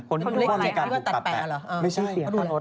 เขาเรียกว่าตัดแปลกหรอไม่ใช่